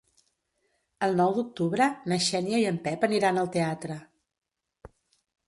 El nou d'octubre na Xènia i en Pep aniran al teatre.